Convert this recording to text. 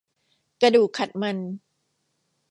กระดูกขัดมัน